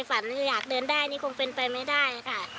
ฝันอยากเดินได้นี่คงเป็นไปไม่ได้ค่ะ